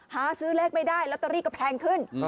หาซื้อเลขไม่ได้ลอตเตอรี่ก็แพงขึ้น